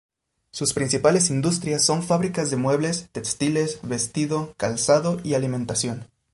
Sus principales industrias son fabricas de muebles, textiles, vestido, calzado y alimentación.